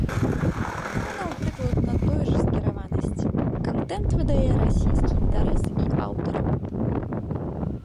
Канал прыкладна той жа скіраванасці, кантэнт выдае расійскі інтарэс і аўтараў.